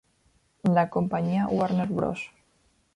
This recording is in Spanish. La compañía Warner Bros.